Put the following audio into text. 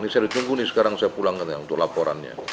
ini saya udah tunggu nih sekarang saya pulang untuk laporannya